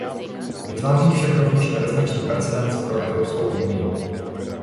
Vytváří však rovněž nebezpečný precedens pro Evropskou unii.